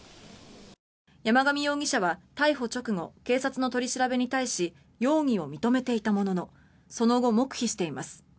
山上容疑者は逮捕直後警察の取り調べに対し容疑を認めていたもののその後、黙秘しています。